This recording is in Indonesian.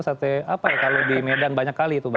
sate apa ya kalau di medan banyak kali itu